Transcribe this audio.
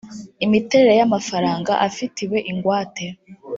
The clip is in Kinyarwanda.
imiterere y amafaranga afitiwe ingwate